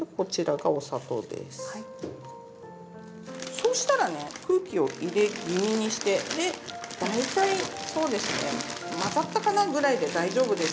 そうしたらね空気を入れ気味にして大体そうですね混ざったかなぐらいで大丈夫です。